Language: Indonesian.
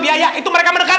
iya ya itu mereka mendekat